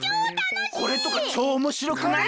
これとかちょうおもしろくない？